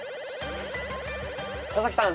佐々木さん